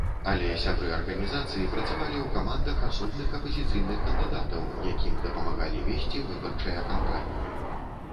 Але сябры арганізацыі працавалі ў камандах асобных апазіцыйных кандыдатаў, якім дапамагалі весці выбарчыя кампаніі.